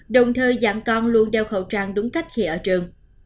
đồng thời dặn con luôn đeo khẩu trang đúng cách khi ở trường